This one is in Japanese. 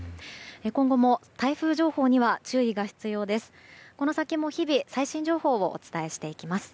今後も台風情報には注意が必要です。